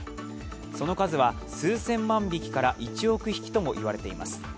その数は数千万匹から１億匹ともいわれています。